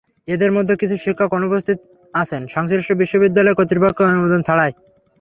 এঁদের মধ্যে কিছু শিক্ষক অনুপস্থিত আছেন সংশ্লিষ্ট বিশ্ববিদ্যালয় কর্তৃপক্ষের অনুমোদন ছাড়াই।